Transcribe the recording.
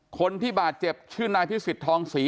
คนที่บาดเจ็บชื่อนายพิสิทธองศรี